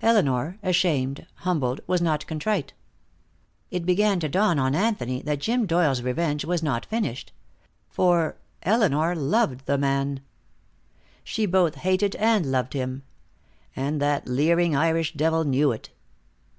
Elinor, ashamed, humbled, was not contrite. It began to dawn on Anthony that Jim Doyle's revenge was not finished. For Elinor loved the man. She both hated him and loved him. And that leering Irish devil knew it.